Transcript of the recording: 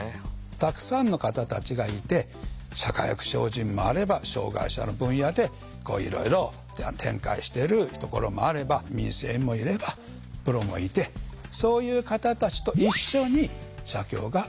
たくさんの方たちがいて社会福祉法人もあれば障害者の分野でいろいろ展開しているところもあれば民生委員もいればプロもいてそういう方たちと一緒に社協が取り組んでいく。